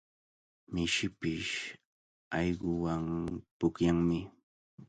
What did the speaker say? Mishipish allquwan pukllanmi.